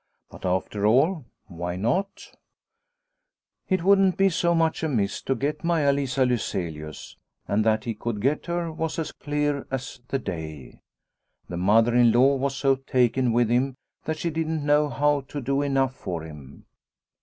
But, after all, why not ? It wouldn't be so much amiss to get Maia Lisa Lyselius. And that he could get her was as clear as the day. The mother in law was so taken with him that she didn't know how to do enough for him.